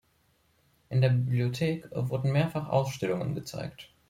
In der Bibliothek wurden mehrfach Ausstellungen gezeigt.